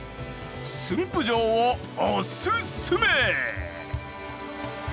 駿府城をおすすめ！